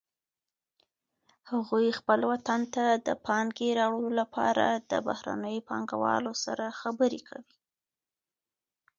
هغوی خپل وطن ته د پانګې راوړلو لپاره د بهرنیو پانګوالو سره خبرې کوي